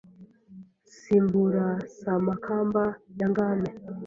Simbura Samakamba ya Ngame